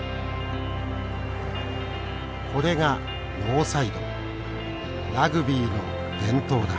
これがノーサイドラグビーの伝統だ。